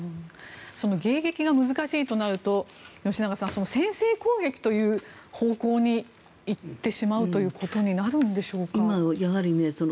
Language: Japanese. その迎撃が難しいとなると吉永さん、先制攻撃という方向に行ってしまうことになるんでしょうか。